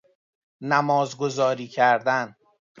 نمازگذاری کردن